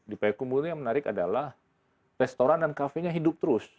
di pak ekumbu ini yang menarik adalah restoran dan cafe nya hidup terus